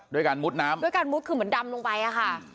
ด้วยการมุดน้ำด้วยการมุดคือเหมือนดำลงไปอะค่ะ